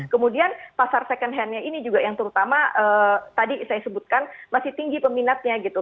kemudian pasar second hand nya ini juga yang terutama tadi saya sebutkan masih tinggi peminatnya gitu